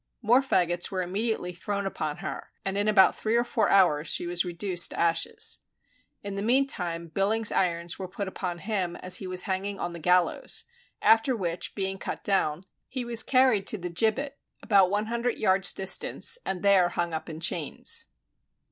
More faggots were immediately thrown upon her, and in about three or four hours she was reduced to ashes. In the meantime, Billings's irons were put upon him as he was hanging on the gallows; after which being cut down, he was carried to the gibbet, about one hundred yards distance, and there hung up in chains.